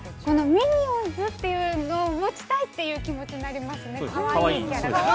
◆このミニオンズというのを持ちたい！という気持ちになりますね。